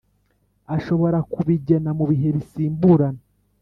ashobora kubigena mu bihe bisimburana